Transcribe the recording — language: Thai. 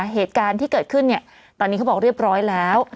เหตุการณ์ที่เกิดขึ้นเนี่ยตอนนี้เขาบอกเรียบร้อยแล้ว